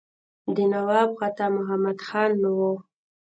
دا نواب عطا محمد خان وو.